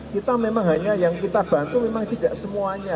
kita memang hanya yang kita bantu memang tidak semuanya